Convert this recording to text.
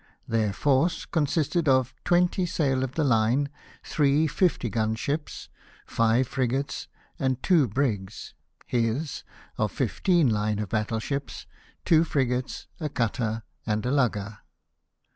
Their force consisted of twenty sail of the line, three fifty gun ships, five frigates, and two brigs ; his, of fifteen line of battle ships, two frigates, a cutter, and a lugger.